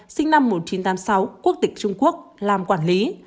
sinh năm một nghìn chín trăm tám mươi sáu quốc tịch trung quốc làm quản lý